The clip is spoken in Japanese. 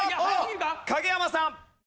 影山さん。